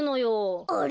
あれ？